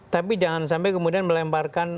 tapi jangan sampai kemudian melemparkan